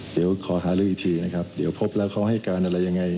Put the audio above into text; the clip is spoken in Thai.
เดี๋ยวขอหารืออีกทีนะครับเดี๋ยวพบแล้วเขาให้การอะไรยังไง